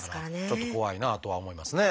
ちょっと怖いなとは思いますね。